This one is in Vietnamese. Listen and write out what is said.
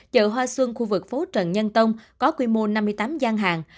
chợ hoa sơn khu vực phố trận nhân tông có quy mô năm mươi tám gian hàng